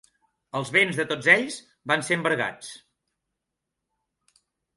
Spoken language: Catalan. Els béns de tots ells van ser embargats.